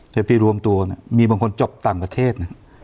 แต่ไปรวมตัวมีบางคนจบต่างประเทศนะ